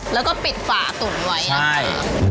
แล้วก็ปิดฝ่าตุ่มไว้นะครับใช่